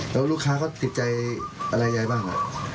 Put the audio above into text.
แล้วลูกค้าเขาติดใจอะไรยายบ้าง